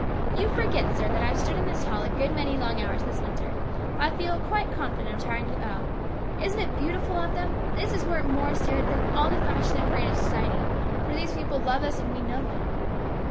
" You forget, sir, that I have stood in this hall a good many long hours this winter. I feel quite confident of tiring you out. Isn't it beautiful of 284 HIS BROTHER'S KEEPER. them? This is worth more, Stuart, than all the fashion and parade of society ; for these people love us and we know it."